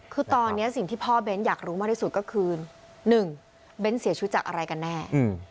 คือตอนนี้สิ่งที่พ่อเบ้นอยากรู้มากที่สุดก็คือ๑เบ้นเสียชีวิตจากอะไรกันแน่